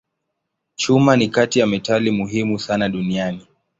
Chuma ni kati ya metali muhimu sana duniani.